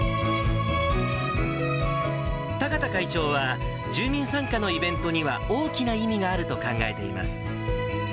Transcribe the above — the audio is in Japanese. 田形会長は住民参加のイベントには、大きな意味があると考えています。